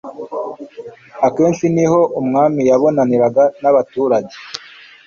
akenshi ni ho umwami yabonaniraga n'abaturage